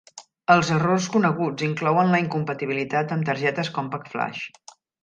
Els errors coneguts inclouen la incompatibilitat amb targetes CompactFlash.